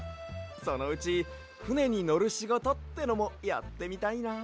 そのうちふねにのるしごとってのもやってみたいな。